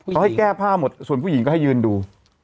เขาให้แก้ผ้าหมดส่วนผู้หญิงก็ให้ยืนดู